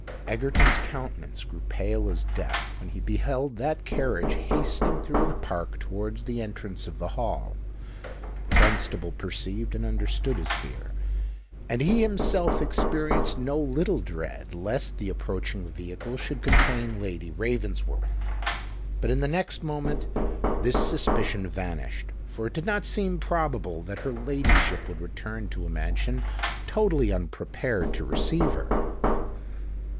Egerton's countenance grew pale as death when he beheld that carriage hastening through the Park towards the entrance of the Hall. Dunstable perceived and understood his fear; and he himself experienced no little dread lest the approaching vehicle should contain Lady Ravensworth. But, in the next moment, this suspicion vanished; for it did not seem probable that her ladyship would return to a mansion totally unprepared to receive her.